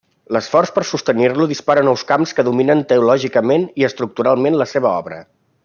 L'esforç per sostenir-lo dispara nous camps que dominen teològicament i estructural la seva obra.